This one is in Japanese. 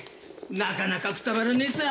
なかなかくたばらねえさ。